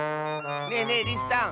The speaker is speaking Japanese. ねえねえリスさん